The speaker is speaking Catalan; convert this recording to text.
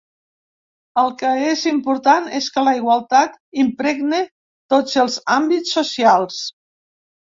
El que és important és que la igualtat impregne tots els àmbits socials.